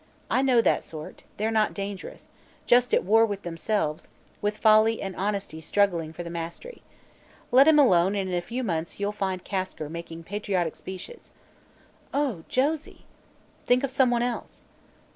I know that sort; they're not dangerous; just at war with themselves, with folly and honesty struggling for the mastery. Let him alone and in a few months you'll find Kasker making patriotic speeches." "Oh, Josie!" "Think of someone else."